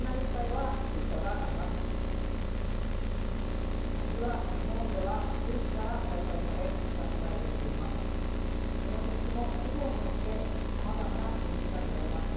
柿は日本では古くから栽培され親しまれてきています。